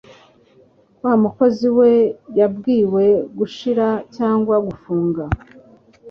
Wa mukozi we yabwiwe gushira cyangwa gufunga.